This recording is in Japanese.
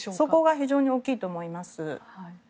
非常に大きいと思います。